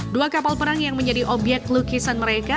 dua kapal perang yang menjadi obyek lukisan mereka